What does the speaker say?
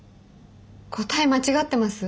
答え間違ってます？